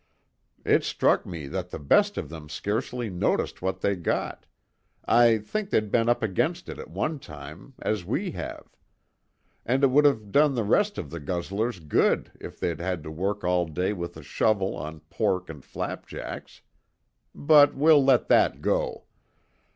It struck me that the best of them scarcely noticed what they got I think they'd been up against it at one time, as we have; and it would have done the rest of the guzzlers good if they'd had to work all day with the shovel on pork and flapjacks. But we'll let that go.